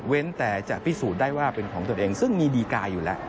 แต่จะพิสูจน์ได้ว่าเป็นของตนเองซึ่งมีดีการ์อยู่แล้ว